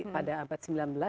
pada abad sembilan belas